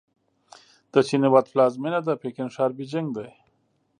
د چین هېواد پلازمېنه د پکن ښار بیجینګ دی.